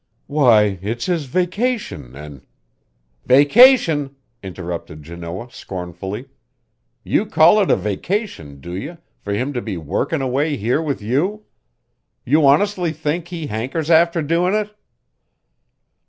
"Why, it's his vacation an' " "Vacation!" interrupted Janoah scornfully. "You call it a vacation, do you, for him to be workin' away here with you? You honestly think he hankers after doin' it?"